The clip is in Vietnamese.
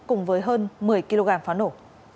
cùng với hơn một mươi kg phá nổ